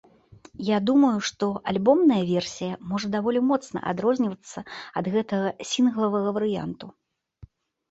Я думаю, што альбомная версія можа даволі моцна адрознівацца ад гэтага сінглавага варыянту.